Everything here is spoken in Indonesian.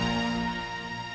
ramalan itu benar